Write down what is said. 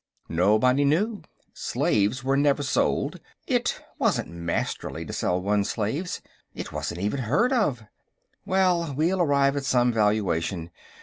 Nobody knew. Slaves were never sold; it wasn't Masterly to sell one's slaves. It wasn't even heard of. "Well, we'll arrive at some valuation.